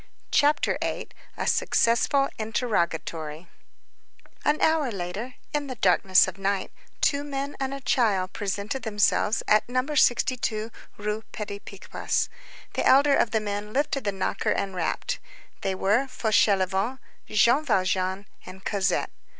CHAPTER VIII—A SUCCESSFUL INTERROGATORY An hour later, in the darkness of night, two men and a child presented themselves at No. 62 Rue Petit Picpus. The elder of the men lifted the knocker and rapped. They were Fauchelevent, Jean Valjean, and Cosette.